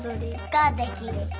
ができる。